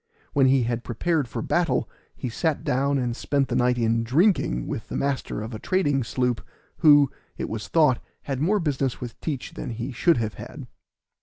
When he had prepared for battle he sat down and spent the night in drinking with the master of a trading sloop, who, it was thought, had more business with Teach than he should have had.